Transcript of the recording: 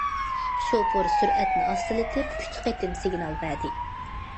شوپۇر سۈرئەتنى ئاستىلىتىپ، ئۈچ قېتىم سىگنال بەردى.